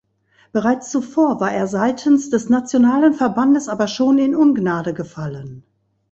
Bereits zuvor war er seitens des nationalen Verbandes aber schon in Ungnade gefallen.